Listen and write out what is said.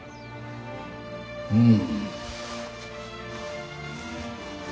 うん。